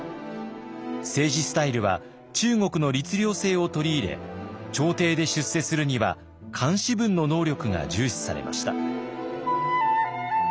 政治スタイルは中国の律令制を取り入れ朝廷で出世するには漢詩文の能力が重視されました。